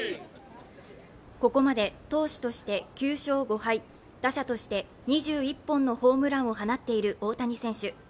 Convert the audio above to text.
ここまで投手として９勝５敗、打者として２１本のホームランを放っている大谷選手。